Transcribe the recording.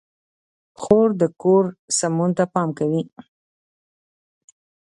خور د کور سمون ته پام کوي.